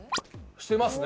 してますね。